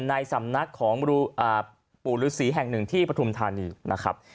ในสำนักของปู่ฤษีแห่งหนึ่งที่ปฐุมธานีนะครับ